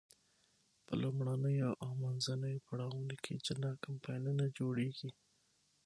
په لومړنیو او منځنیو پړاوونو کې جلا کمپاینونه جوړیږي.